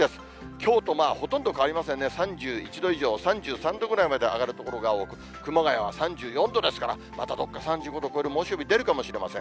きょうとほとんど変わりませんね、３１度以上、３３度ぐらいまで上がる所が多く、熊谷は３４度ですから、またどっか３５度を超える猛暑日出るかもしれません。